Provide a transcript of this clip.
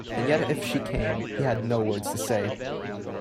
And yet if she came he had no words to say.